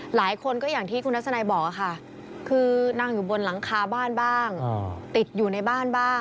หลายคนก็อย่างที่คุณทัศนัยบอกค่ะคือนั่งอยู่บนหลังคาบ้านบ้างติดอยู่ในบ้านบ้าง